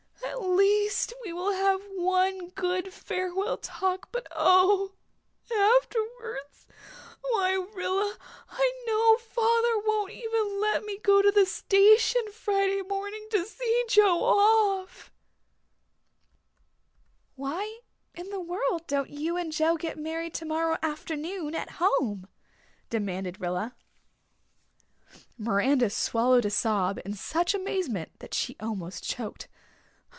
At least we will have one good farewell talk. But oh afterwards why, Rilla, I know father won't even let me go to the station Friday morning to see Joe off." "Why in the world don't you and Joe get married tomorrow afternoon at home?" demanded Rilla. Miranda swallowed a sob in such amazement that she almost choked.